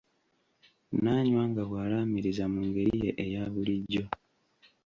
N'anywa nga bw'alaamiriza mu ngeri ye eya bulijjo.